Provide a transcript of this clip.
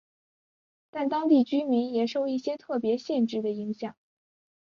但当地居民也受一些特别限制的影响。